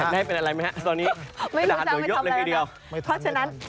ได้ครับไม่รู้จังไม่ทำอะไรแล้วนะครับไม่ทันไม่ทัน